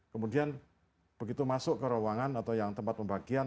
kemudian begitu masuk ke ruangan atau yang tempat pembagian